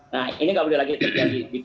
nah ini nggak boleh lagi terjadi